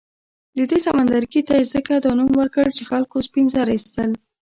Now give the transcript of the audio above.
دې سمندرګي ته یې ځکه دا نوم ورکړ چې خلکو سپین زر اېستل.